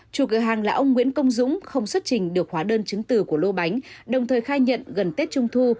chủ cửa hàng là ông nguyễn công dũng không xuất trình được hóa đơn chứng từ của lô bánh đồng thời khai nhận gần tết trung thu